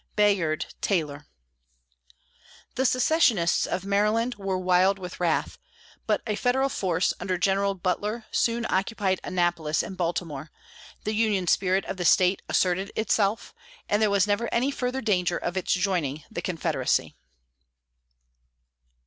BAYARD TAYLOR. The secessionists of Maryland were wild with wrath; but a Federal force under General Butler soon occupied Annapolis and Baltimore, the Union spirit of the state asserted itself, and there was never any further danger of its joining the Confederacy.